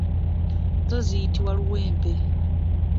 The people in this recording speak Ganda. Zo ziyitibwa luwempe.